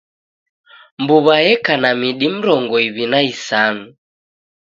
Mbuw'a yeka na midi mrongo iw'i na isanu.